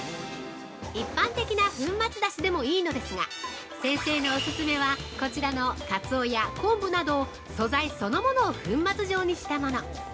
一般的な粉末だしでもいいのですが、先生のお勧めは、こちらのカツオや昆布など素材そのものを粉末状にしたもの。